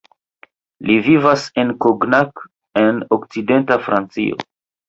Li vivas en Cognac en okcidenta Francio.